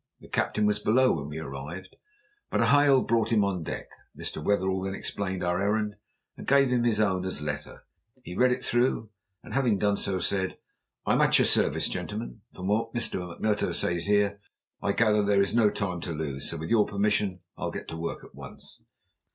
The captain was below when we arrived, but a hail brought him on deck. Mr. Wetherell then explained our errand, and gave him his owner's letter. He read it through, and having done so, said "I am at your service, gentlemen. From what Mr. McMurtough says here I gather that there is no time to lose, so with your permission I'll get to work at once."